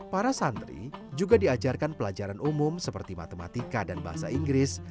para santri juga diajarkan pelajaran umum seperti matematika dan bahasa inggris